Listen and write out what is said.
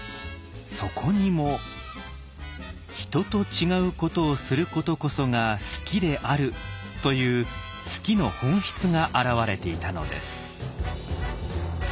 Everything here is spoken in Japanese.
そこにも「人と違うことをすることこそが数寄である」という数寄の本質が表れていたのです。